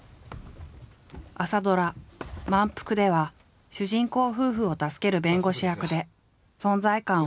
朝ドラ「まんぷく」では主人公夫婦を助ける弁護士役で存在感を放った。